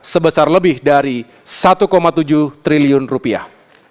sebesar lebih dari satu tujuh triliun rupiah